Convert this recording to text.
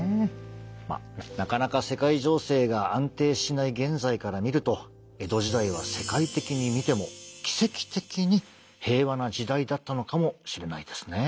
まあなかなか世界情勢が安定しない現在から見ると江戸時代は世界的に見ても奇跡的に平和な時代だったのかもしれないですね。